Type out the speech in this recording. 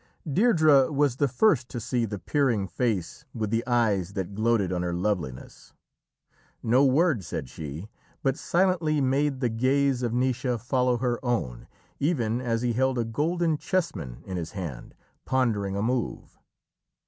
Deirdrê was the first to see the peering face with the eyes that gloated on her loveliness. No word said she, but silently made the gaze of Naoise follow her own, even as he held a golden chessman in his hand, pondering a move.